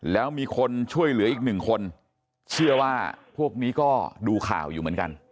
แล้วมีคนช่วยเหลืออีกหนึ่งคนเชื่อว่าพวกนี้ก็ดูข่าวอยู่เหมือนกัน